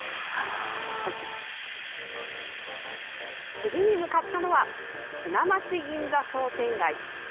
次に向かったのは砂町銀座商店街。